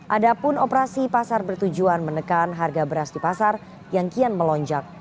ada pun operasi pasar bertujuan menekan harga beras di pasar yang kian melonjak